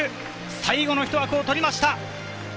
最後の１枠を取りました。